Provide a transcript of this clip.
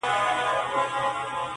دا د روپیو تاوان څۀ ته وایي -